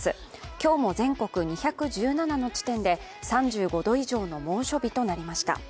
今日も全国２１７の地点で３５度以上の猛暑日となりました。